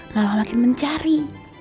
malah makin mencari